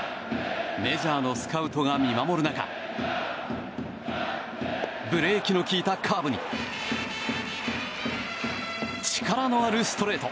メジャーのスカウトが見守る中ブレーキの利いたカーブに力のあるストレート。